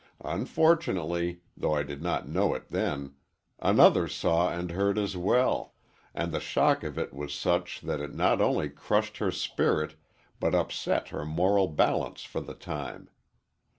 Unfortunately, though I did not know it then, another saw and heard, as well, and the shock of it was such that it not only crushed her spirit but upset her moral balance for the time.